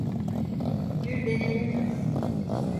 Bir deneyelim.